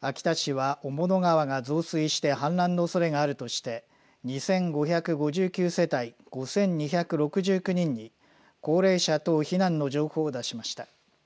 秋田市は雄物川が増水して氾濫のおそれがあるとして２５５９世帯５２６９人に高齢者等避難の情報を出しました。